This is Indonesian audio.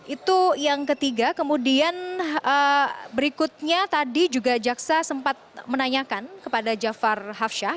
itu yang ketiga kemudian berikutnya tadi juga jaksa sempat menanyakan kepada jafar hafsyah